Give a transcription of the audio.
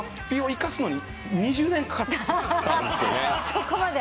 そこまで？